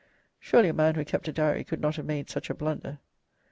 Surely a man who kept a diary could not have made such a blunder."